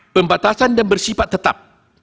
pembatasan dan bersifat tetap